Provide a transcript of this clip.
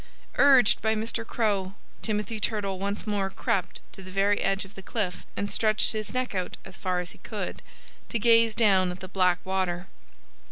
Urged by Mr. Crow, Timothy Turtle once more crept to the very edge of the cliff and stretched his neck out as far as he could, to gaze down at the black water.